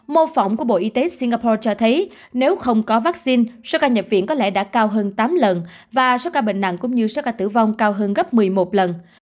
mô phỏng của bộ y tế singapore cho thấy nếu không có vaccine số ca nhập viện có lẽ đã cao hơn tám lần và số ca bệnh nặng cũng như số ca tử vong cao hơn gấp một mươi một lần